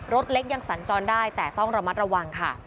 รถเล็กยังสัญจรได้แต่ต้องระมัดระวังค่ะ